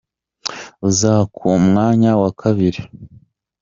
uza ku mwanya wa kabiri.